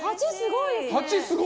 ８、すごい。